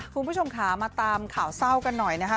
คุณผู้ชมค่ะมาตามข่าวเศร้ากันหน่อยนะคะ